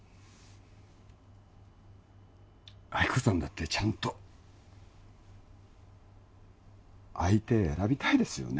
亜希子さんだってちゃんと相手選びたいですよね